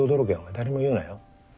誰にも言うなよ。